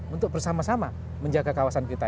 untuk bersama sama menjaga kawasan kita